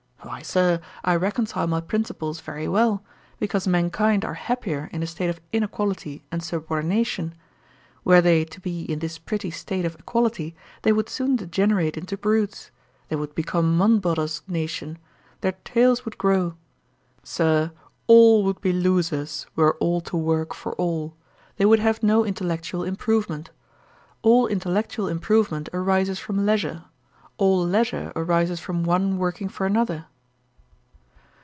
'Why, Sir, I reconcile my principles very well, because mankind are happier in a state of inequality and subordination. Were they to be in this pretty state of equality, they would soon degenerate into brutes; they would become Monboddo's nation; their tails would grow. Sir, all would be losers were all to work for all: they would have no intellectual improvement. All intellectual improvement arises from leisure; all leisure arises from one working for another.'